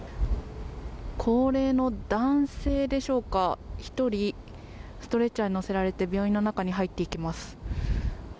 高齢の男性でしょうか１人ストレッチャーに乗せられて病院の中に入っていきます。